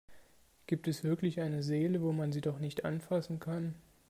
Gibt es wirklich eine Seele, wo man sie doch nicht anfassen kann?